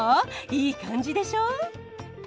いい感じでしょ。